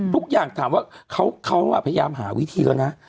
ทุกอย่างถามว่าเขาพยายามหาวิธีแล้วนะ